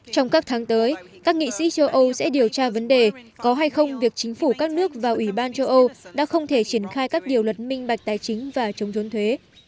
trong các tháng tới các nghị sĩ châu âu sẽ điều tra vấn đề có hay không việc chính phủ các nước và ủy ban châu âu đã không thể triển khai các điều luật minh bạch tài chính và chống chốn thuế